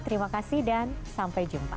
terima kasih dan sampai jumpa